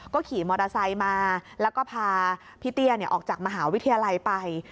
ขี่มอเตอร์ไซค์มาแล้วก็พาพี่เตี้ยออกจากมหาวิทยาลัยไป